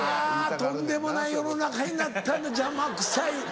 とんでもない世の中になったな邪魔くさい。